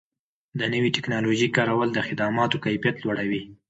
د نوې ټکنالوژۍ کارول د خدماتو کیفیت لوړوي.